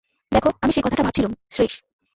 দেখো, আমি সেই কথাটা ভাবছিলুম– শ্রীশ।